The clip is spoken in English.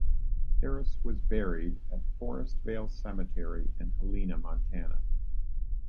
Harris was buried at Forestvale Cemetery in Helena, Montana.